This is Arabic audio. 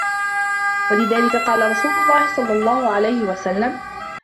وَلِذَلِكَ قَالَ رَسُولُ اللَّهِ صَلَّى اللَّهُ عَلَيْهِ وَسَلَّمَ